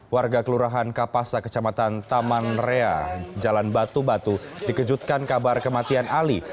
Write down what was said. warga kelurahan kapasa kecamatan taman rea jalan batu batu dikejutkan kabar kematian ali